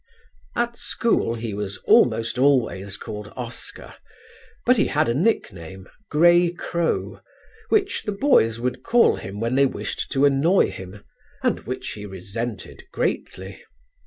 "At school he was almost always called 'Oscar' but he had a nick name, 'Grey crow,' which the boys would call him when they wished to annoy him, and which he resented greatly.